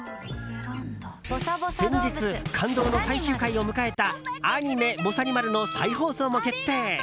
先日、感動の最終回を迎えたアニメ「ぼさにまる」の再放送も決定！